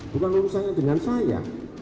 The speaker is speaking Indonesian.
bukan lurusannya dengan saya